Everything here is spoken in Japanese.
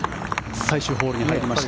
最終ホールに入りました。